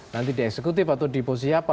nanti di eksekutif atau di posisi apa